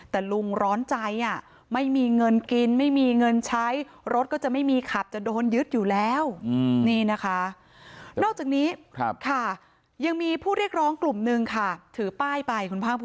ถือป้ายไปคุณพ่างภูมิถือป้ายค่ะ